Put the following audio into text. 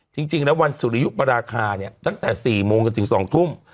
จริงแล้ววันสุริยุปราคาเนี่ยตั้งแต่๔โมงจนถึง๒ทุ่ม